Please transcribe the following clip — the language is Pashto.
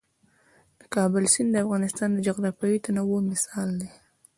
د کابل سیند د افغانستان د جغرافیوي تنوع مثال دی.